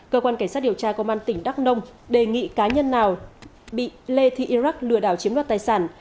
cơ quan cảnh sát điều tra công an tỉnh đắk nông đề nghị cá nhân nào bị lê thị iraq lừa đảo chiếm đoạt tài sản